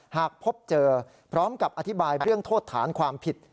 หากพบเจอพร้อมกับอธิบายเรื่องโทษฐานความผิด